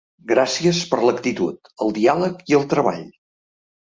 Gràcies per l'actitud, el diàleg i el treball.